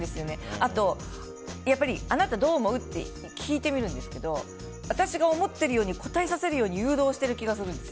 あと、あなたどう思う？って聞いてみるんですけど私が思っているように答えさせるように誘導してる気がするんです。